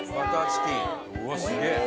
うわすげえ。